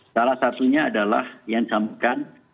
salah satunya adalah yang disampaikan